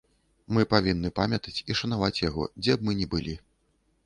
Мы павінны памятаць і шанаваць яго, дзе б мы не былі.